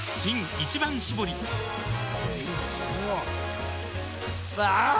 「一番搾り」あぁー！